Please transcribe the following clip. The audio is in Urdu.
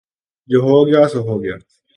جو ہو گیا سو ہو گیا